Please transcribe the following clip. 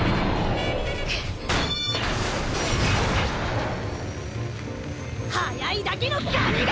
ピッ速いだけのカニが！